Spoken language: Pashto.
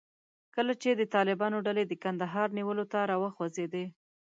کله چې د طالبانو ډلې د کندهار نیولو ته راوخوځېدې.